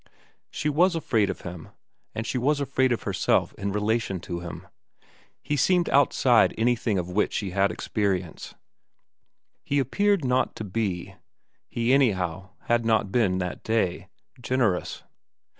249 250 VERA run She was afraid of him, and she was afraid of herself in relation to him. He seemed outside anything of which she had experience. He appeared not to be he anyhow had not been that day generous.